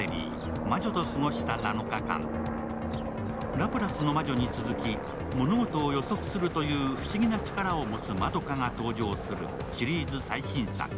「ラプラスの魔女」に続き、物事を予測するという不思議な力を持つ円華が登場するシリーズ最新作。